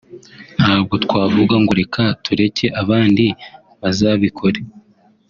ntabwo twavuga ngo reka tureke abandi bazabikore